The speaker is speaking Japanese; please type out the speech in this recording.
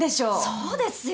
そうですよ！